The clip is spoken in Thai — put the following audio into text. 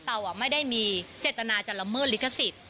เราไม่ได้มีเจตนาจะละเมิดลิขสิทธิ์